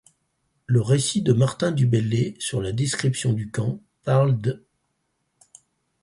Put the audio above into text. Le récit de Martin du Bellay sur la description du camp parle d'.